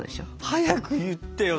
早く言ってよ